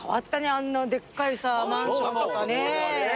あんなでっかいマンションとかね。